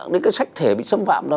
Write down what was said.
đến các sách thể bị xâm phạm